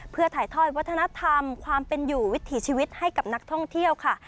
เพื่อถ่ายทอดวัฒนธรรมความเป็นอยู่วิถีชีวิตให้กับนักท่องเที่ยวค่ะ